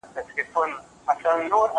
هغه وويل چي پاکوالي مهم دی،